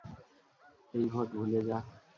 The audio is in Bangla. এই ভোট ভুলে যা।